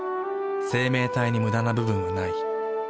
生命体にムダな部分はない。